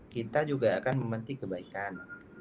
kita juga akan memetik kebaikan